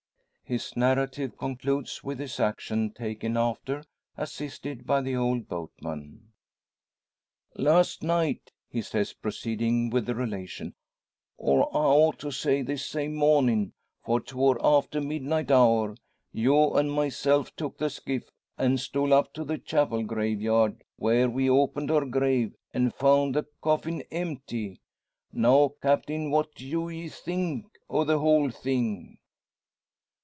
His narrative concludes with his action taken after, assisted by the old boatman. "Last night," he says, proceeding with the relation, "or I ought to say this same mornin' for 'twar after midnight hour Joe an' myself took the skiff, an' stole up to the chapel graveyard; where we opened her grave, an' foun' the coffin empty! Now, Captain, what do ye think o' the whole thing?"